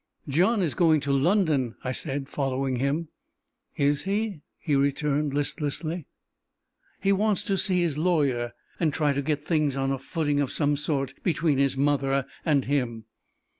"John is going to London," I said, following him. "Is he?" he returned listlessly. "He wants to see his lawyer, and try to get things on a footing of some sort between his mother and him."